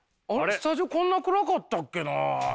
スタジオこんな暗かったっけな。